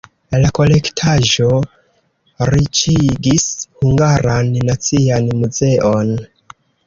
La kolektaĵo riĉigis Hungaran Nacian Muzeon.